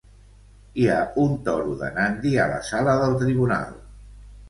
Hi ha un toro de Nandi a la sala del tribunal.